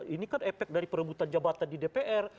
ini kan efek dari perebutan jabatan di dpr